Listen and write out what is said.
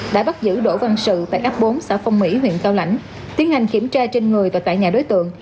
đã bắt giữ đỗ văn sự tại ấp bốn xã phong mỹ huyện cao lãnh tiến hành kiểm tra trên người và tại nhà đối tượng